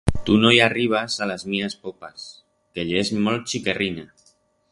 Tu no i arribas a las mías popas, que yes molt chiquerrina.